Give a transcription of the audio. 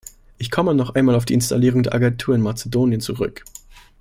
Ich komme noch einmal auf die Installierung der Agentur in Mazedonien zurück.